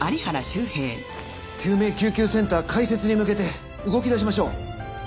救命救急センター開設に向けて動き出しましょう。